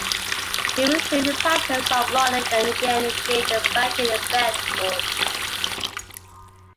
He resumed the practice of law and again engaged in banking in Bedford.